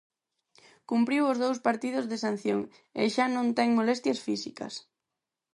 Cumpriu os dous partidos de sanción e xa non ten molestias físicas.